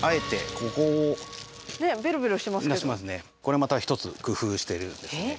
これまた一つ工夫してるんですね。